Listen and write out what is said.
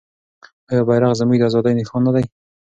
آیا بیرغ زموږ د ازادۍ نښان نه دی؟